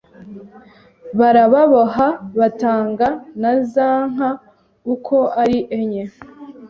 Barababoha, batanga na za nka uko ari enye